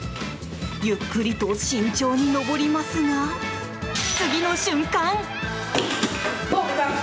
ゆっくりと慎重に上りますが次の瞬間。